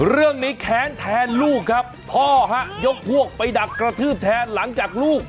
แค้นแทนลูกครับพ่อฮะยกพวกไปดักกระทืบแทนหลังจากลูก